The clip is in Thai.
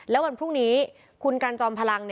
แล้ววันพรุ่งนี้คุณกันจอมพลัง